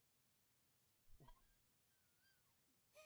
uzi wa wagombea ubunge nchini uganda kupitia chama cha nrm